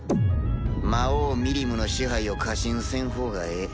魔王ミリムの支配を過信せんほうがええ。